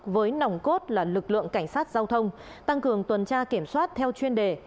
với nòng cốt là lực lượng cảnh sát giao thông tăng cường tuần tra kiểm soát theo chuyên đề